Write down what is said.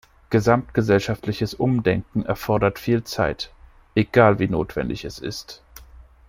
Gesamtgesellschaftliches Umdenken erfordert viel Zeit, egal wie notwendig es ist.